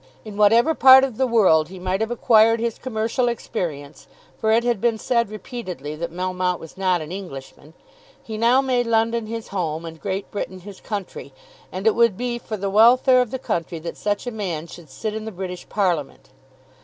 In whatever part of the world he might have acquired his commercial experience, for it had been said repeatedly that Melmotte was not an Englishman, he now made London his home and Great Britain his country, and it would be for the welfare of the country that such a man should sit in the British Parliament.